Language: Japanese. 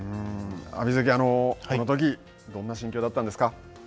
阿炎関、このときどんな心境だったんですか。